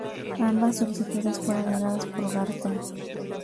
Ambas solicitudes fueron negadas por Garten.